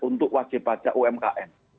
untuk wajib pajak umkm